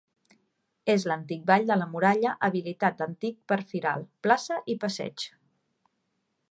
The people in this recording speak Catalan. És l'antic vall de la muralla habilitat d'antic per firal, plaça i passeig.